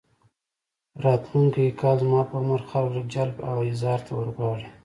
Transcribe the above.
راتلونکي کال زما په عمر خلک جلب او احضار ته ورغواړي.